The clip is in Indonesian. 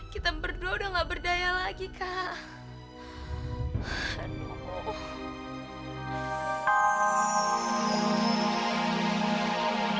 kita berdua udah gak berdaya lagi kak